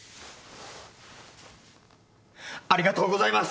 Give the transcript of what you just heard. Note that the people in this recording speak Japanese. ありがとうございます！